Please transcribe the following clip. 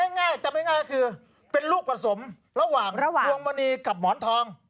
ง่ายจำง่ายคือเป็นลูกผสมระหว่างดวงมณีกับหมอนทอง